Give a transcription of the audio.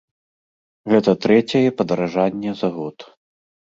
Гэта трэцяе падаражанне за год.